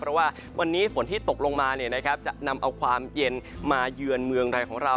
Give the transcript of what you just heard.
เพราะว่าวันนี้ฝนที่ตกลงมาจะนำเอาความเย็นมาเยือนเมืองไทยของเรา